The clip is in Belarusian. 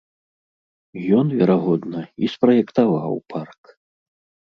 Ён, верагодна, і спраектаваў парк.